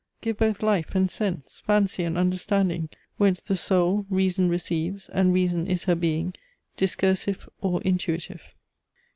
give both life and sense, Fancy and understanding; whence the soul REASON receives, and reason is her being, Discursive or intuitive.